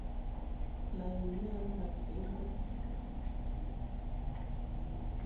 Mayi nə ma kə a edug.